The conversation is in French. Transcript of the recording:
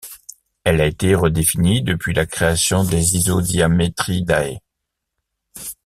Elle a été redéfinie depuis la création des Isodiametridae.